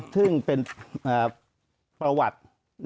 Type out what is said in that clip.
ซึ่งเป็นประวัติ